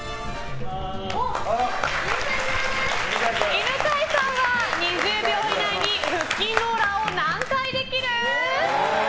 犬飼さんは２０秒以内に腹筋ローラーを何回できる？